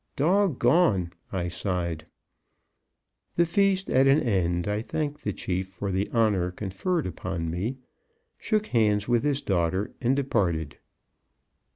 "Dog gone!" I sighed. The feast at an end, I thanked the chief for the honor conferred upon me, shook hands with his daughter, and departed.